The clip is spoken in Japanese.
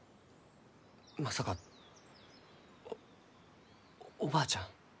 まさかおおばあちゃん？